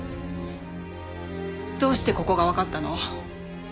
どうしてここがわかったの？